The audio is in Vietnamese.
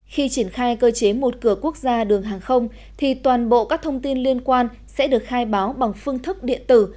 khi triển khai cơ chế một cửa quốc gia đường hàng không thì toàn bộ các thông tin liên quan sẽ được khai báo bằng phương thức điện tử